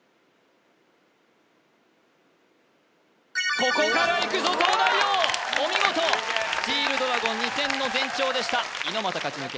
ここからいくぞ東大王お見事スチールドラゴン２０００の全長でした猪俣勝ち抜け